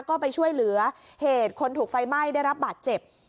ก็ไปช่วยเหลือเหตุคนถูกไฟไหม้ได้รับบาดเจ็บ